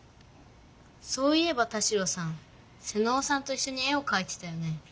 そういえば田代さん妹尾さんといっしょに絵をかいてたよね？